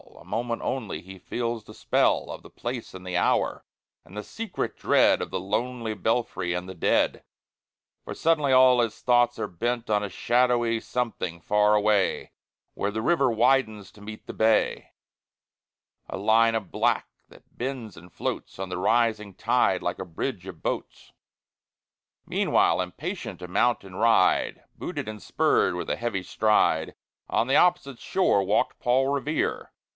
A moment only he feels the spell Of the place and the hour, and the secret dread Of the lonely belfry and the dead; For suddenly all his thoughts are bent On a shadowy something far away, Where the river widens to meet the bay, A line of black that bends and floats On the rising tide, like a bridge of boats. Meanwhile, impatient to mount and ride, Booted and spurred, with a heavy stride On the opposite shore walked Paul Revere.